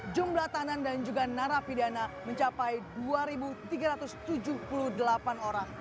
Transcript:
jumlah tanan dan juga narapidana mencapai dua tiga ratus tujuh puluh delapan orang